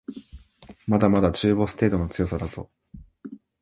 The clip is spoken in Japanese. まだまだ中ボス程度の強さだぞ